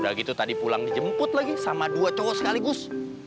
udah gitu tadi pulang dijemput lagi sama dua cowok sekaligus